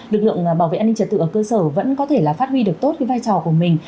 lực lượng bảo vệ an ninh trật tự ở cơ sở vẫn có thể là phát huy được tốt cái vai trò của mình